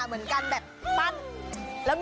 มันร้อนนะ